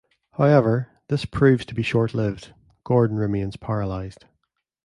However, this proves to be short-lived; Gordon remains paralyzed.